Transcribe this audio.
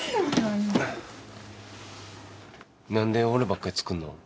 何で俺ばっかり作るの？